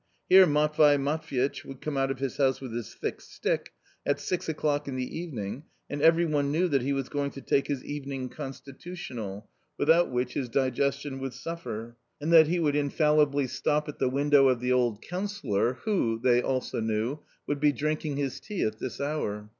Here Matvai Matvyitch would come out of his house with his thick stick, at six o'clock in the evening, and every one knew that he was going to take his evening constitutional, without which A COMMON STORY 37 his digestion would suffer ; and that he would infallibly stop at the window of the old councillor, who, they also knew, would be drinking his tea at this hour.